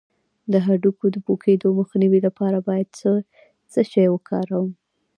د هډوکو د پوکیدو مخنیوي لپاره باید څه شی وکاروم؟